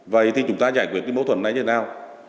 vậy thì chúng ta giải quyết mô thuẫn này như thế nào